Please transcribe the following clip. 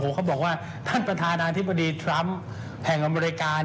เขาบอกว่าท่านประธานาธิบดีทรัมป์แห่งอเมริกา